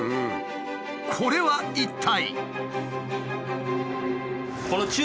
これは一体？